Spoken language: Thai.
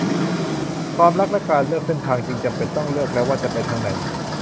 ความรักและการเลือกเส้นทางซึ่งจำเป็นต้องเลือกแล้วว่าจะไปทางไหน